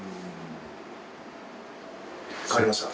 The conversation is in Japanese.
変わりました？